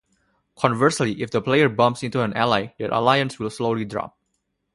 Conversely, if the player bumps into an ally, their alliance will slowly drop.